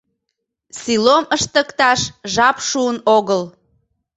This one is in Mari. СИЛОМ ЫШТЫКТАШ ЖАП ШУЫН ОГЫЛ